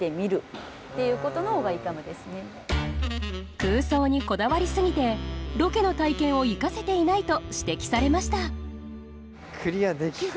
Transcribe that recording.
空想にこだわりすぎてロケの体験を生かせていないと指摘されました